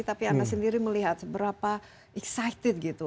tapi anda sendiri melihat seberapa excited gitu